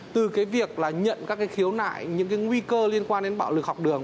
từ cái việc là nhận các cái khiếu nại những cái nguy cơ liên quan đến bạo lực học đường